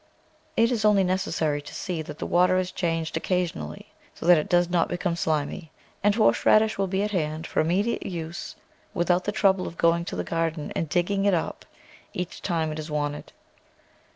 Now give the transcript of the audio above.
It is only neces sary to see that the water is changed occasionally, so that it does not become slimy, and horse radish will be at hand for immediate use without the trou ble of going to the garden and digging it up each time it is wanted.